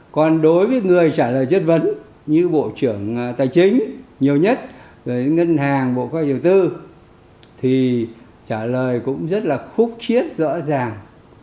còn đối với người trả lời chất vấn như bộ trưởng tài chính nhiều nhất ngân hàng bộ khoa học điều tư thì trả lời cũng rất là khúc chiết rõ ràng